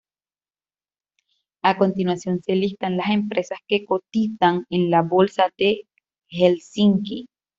A continuación se listan las empresas que cotizan en la Bolsa de Helsinki.